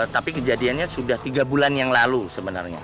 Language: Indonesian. tapi kejadiannya sudah tiga bulan yang lalu sebenarnya